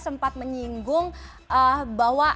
sempat menyinggung bahwa